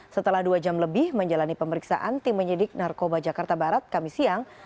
setelah dua jam lebih menjalani pemeriksaan tim penyidik narkoba jakarta barat kami siang